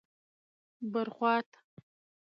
بر خوات: